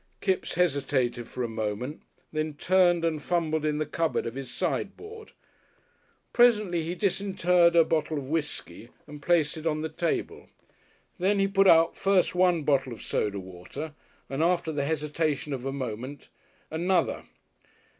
Kipps hesitated for a moment, then turned and fumbled in the cupboard of his sideboard. Presently he disinterred a bottle of whiskey and placed it on the table. Then he put out first one bottle of soda water and after the hesitation of a moment another.